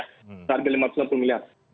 seharga rp lima ratus enam puluh miliar